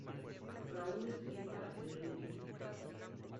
Raúl Silva Henríquez.